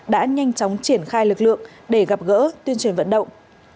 đã nhanh chóng triển khai lực lượng để gặp gỡ tuyên truyền vận động